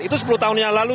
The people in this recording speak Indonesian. itu sepuluh tahun yang lalu